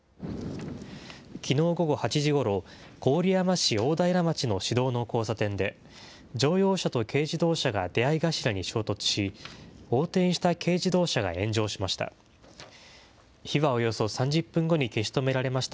きのう午後８時ごろ、郡山市大平町の市道の交差点、乗用車と軽自動車が出会い頭に衝突し、横転した軽自動車が炎上しました。